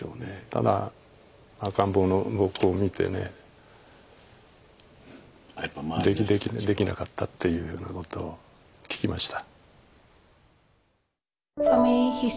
ただ赤ん坊の僕を見てねできなかったというようなことを聞きました。